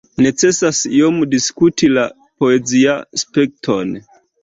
Necesas iom diskuti la poeziaspekton.